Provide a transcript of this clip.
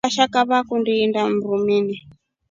Vashaka vakundi indaa mrumini.